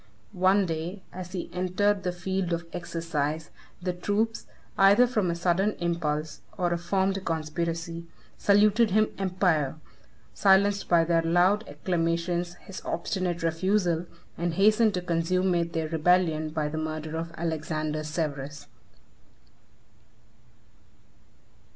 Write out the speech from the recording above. One day, as he entered the field of exercise, the troops, either from a sudden impulse, or a formed conspiracy, saluted him emperor, silenced by their loud acclamations his obstinate refusal, and hastened to consummate their rebellion by the murder of Alexander Severus.